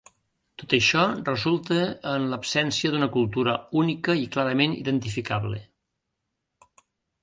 Tot això resulta en l'absència d'una cultura única i clarament identificable.